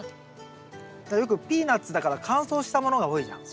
よくピーナツだから乾燥したものが多いじゃん。